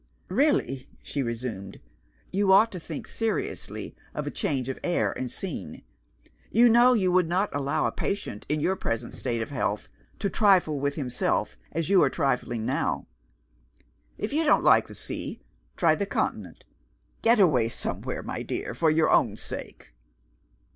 "Really," she resumed, "you ought to think seriously of change of air and scene. You know you would not allow a patient, in your present state of health, to trifle with himself as your are trifling now. If you don't like the sea, try the Continent. Get away somewhere, my dear, for your own sake."